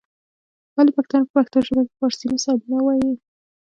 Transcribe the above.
ولي پښتانه په پښتو ژبه کي فارسي مثالونه وايي؟